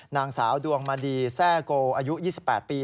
นางสาวดวงมาดีแซ่โกอายุ๒๘ปี